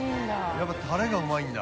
やっぱタレがうまいんだ。